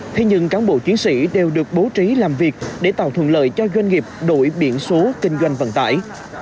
thế nhưng cán bộ chiến sĩ đều được bố trí làm việc để tạo thuận lợi cho doanh nghiệp đổi biển số kinh doanh vận tải